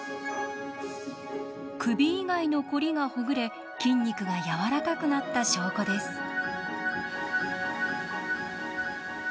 首以外のコリがほぐれ筋肉がやわらかくなった証拠です。